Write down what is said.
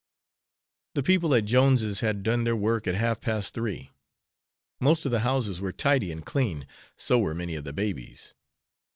The people at Jones's had done their work at half past three. Most of the houses were tidy and clean, so were many of the babies.